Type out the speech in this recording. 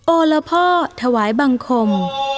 โอละพ่อถวายบังคม